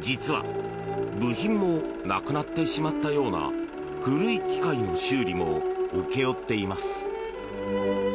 実は部品もなくなってしまったような古い機械の修理も請け負っています。